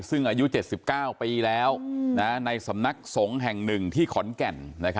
ซึ่งอายุ๗๙ปีแล้วในสำนักสงฆ์แห่ง๑ที่ขอนแก่น